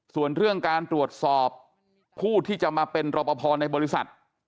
ส่วนเรื่องการตรวจสอบผู้ที่จะมาเป็นรอปภในบริษัท